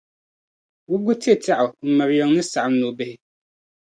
Wubiga te tɛɣu m-mir’ yiŋa ni saɣim nɔbihi.